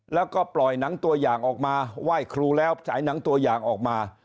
แล้วก็ปล่อยหนังตัวอย่างออกมาไหว้ครูแล้วฉายหนังตัวอย่างออกมา